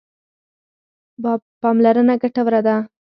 پاملرنه ګټوره ده.